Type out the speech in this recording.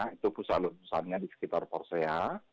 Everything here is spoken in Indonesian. itu pusat letusannya di sekitar porsea